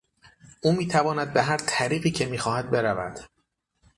او میتواند به هر طریقی که میخواهد برود.